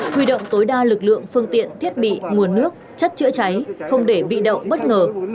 huy động tối đa lực lượng phương tiện thiết bị nguồn nước chất chữa cháy không để bị động bất ngờ